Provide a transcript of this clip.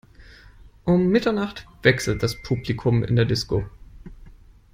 Um Mitternacht wechselt das Publikum in der Disco.